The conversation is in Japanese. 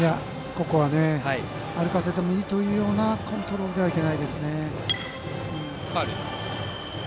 ここは歩かせてもいいというコントロールではいけませんね。